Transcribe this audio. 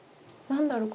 何だろう